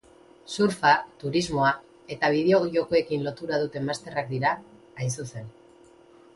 Surfa, turismoa eta bideo jokoekin lotura duten masterrak dira, hain zuzen.